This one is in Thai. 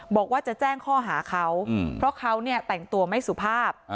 บอกว่าจะแจ้งข้อหาเขาเพราะเขาเนี่ยแต่งตัวไม่สุภาพ